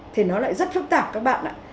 thì nó lại rất phức tạp các bạn ạ